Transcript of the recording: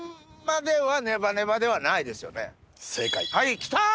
はいきた！